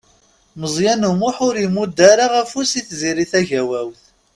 Meẓyan U Muḥ ur imudd ara afus i Tiziri Tagawawt.